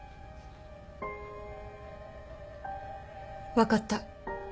分かった。